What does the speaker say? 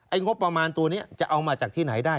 งบประมาณตัวนี้จะเอามาจากที่ไหนได้